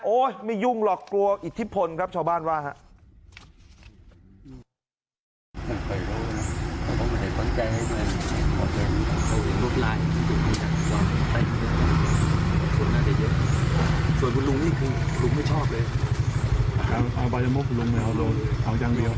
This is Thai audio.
ไม่ยุ่งหรอกกลัวอิทธิพลครับชาวบ้านว่าครับ